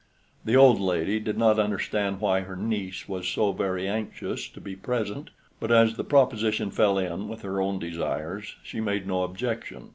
The old lady did not understand why her niece was so very anxious to be present, but as the proposition fell in with her own desires, she made no objection.